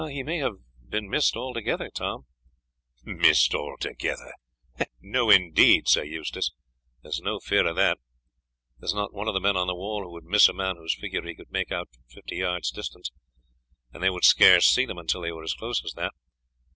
"He may have been missed altogether, Tom." "Missed altogether! no indeed, Sir Eustace, there is no fear of that. There is not one of the men on the wall who would miss a man whose figure he could make out at fifty yards' distance, and they would scarce see them until they were as close as that.